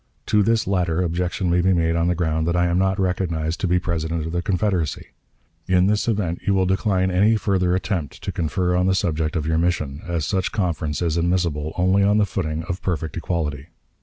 To this latter, objection may be made on the ground that I am not recognized to be President of the Confederacy. In this event you will decline any further attempt to confer on the subject of your mission, as such conference is admissible only on the footing of perfect equality.